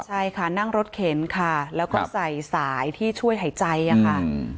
ใช่ค่ะนั่งรถเข็นค่ะแล้วก็ใส่สายที่ช่วยหายใจค่ะ